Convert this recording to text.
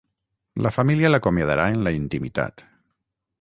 La família l'acomiadarà en la intimitat.